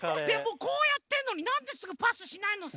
こうやってるのになんですぐパスしないのさ？